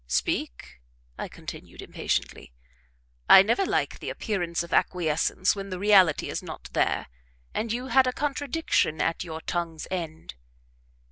"Speak," I continued, impatiently; "I never like the appearance of acquiescence when the reality is not there; and you had a contradiction at your tongue's end."